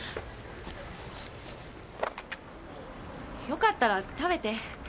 良かったら食べて？